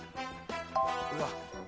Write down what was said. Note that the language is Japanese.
うわっ